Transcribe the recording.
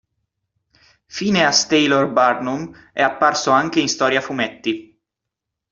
Phineas Taylor Barnum è apparso anche in storie a fumetti.